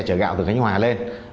chở gạo từ cánh hòa lên